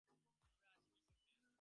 আমরা আছি কী করিতে?